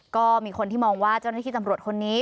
ก็มีคนที่มองว่าเจ้าหน้าที่ตำรวจคนนี้